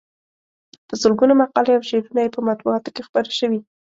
په سلګونو مقالې او شعرونه یې په مطبوعاتو کې خپاره شوي.